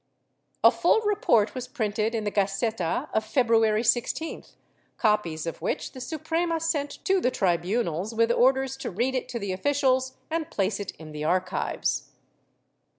A full report was printed in the Gaceta of February 16th, copies of which the Supre ma sent to the tribunals with orders to read it to the officials and place it in the archives.